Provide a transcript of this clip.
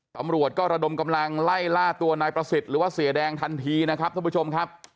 ตำรวจก็ระดมกำลังไล่ล่าตัวนายประสิทธิ์หรือว่าเสียแดงทันทีนะครับท่านผู้ชมครับ